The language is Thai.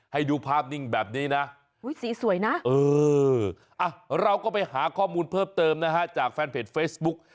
ให้ดูภาพนิ่งแบบนี้นะสีสวยนะเออเราก็ไปหาข้อมูลเพิ่มเติมนะฮะจากแฟนเพจเฟซบุ๊ก